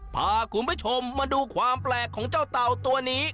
พาคุณผู้ชมมาดูความแปลกของเจ้าเต่าตัวนี้